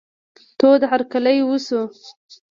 تود هرکلی وسو.